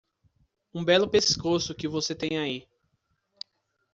Um belo pescoço que você tem aí.